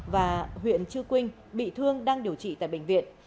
và huyện chư quynh bị thương đang điều trị tại bệnh viện